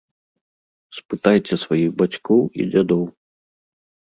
Спытайце сваіх бацькоў і дзядоў.